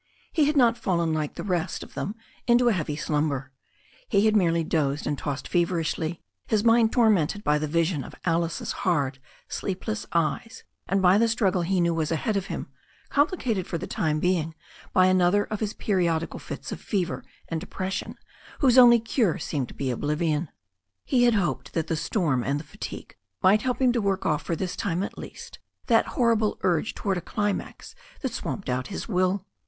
He had not fallen like the rest of them into a heavy sltmiber. He had merely dozed and tossed feverishly, his mind tormented by the vision of Alice's hard sleepless eyes, and by the struggle he knew was ahead of him, complicated for the time being by another of his periodical fits of fever and depression whose only cure seemed to be oblivion. He had hoped that the storm and the fatigue might help him to work off for this time at least that horrible urge towards a climax that swamped out his will.